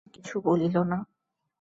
ছেলে আর কিছু বলিল না।